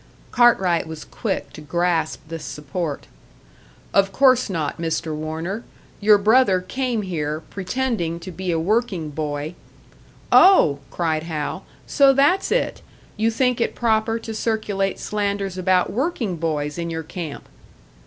Cartwright was quick to grasp this support. "Of course not, Mr. Warner! Your brother came here, pretending to be a working boy " "Oh!" cried Hal. "So that's it! You think it proper to circulate slanders about working boys in your camp?"